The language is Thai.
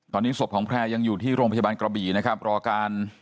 ตอนนี้ศพของแพร่ยังอยู่ที่โรงพยาบาลกระบี่นะครับรอการ